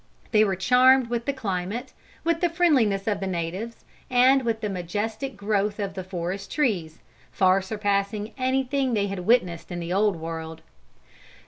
They were charmed with the climate, with the friendliness of the natives and with the majestic growth of the forest trees, far surpassing anything they had witnessed in the Old World.